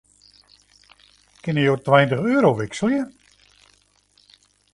Kinne jo tweintich euro wikselje?